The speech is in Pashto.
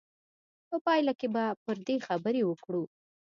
په پایله کې به پر دې خبرې وکړو.